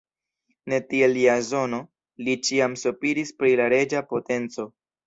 Ne tiel Jazono, li ĉiam sopiris pri la reĝa potenco.